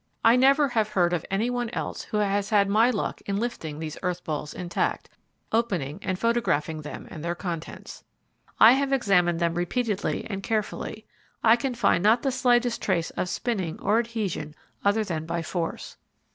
I never have heard of any one else who has had my luck in lifting these earth balls intact, opening, and photographing them and their contents. I have examined them repeatedly and carefully. I can find not the slightest trace of spinning or adhesion other than by force.